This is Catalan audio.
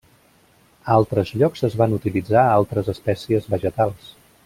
A altres llocs es van utilitzar altres espècies vegetals.